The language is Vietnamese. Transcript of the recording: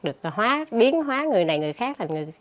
được biến hóa người này người khác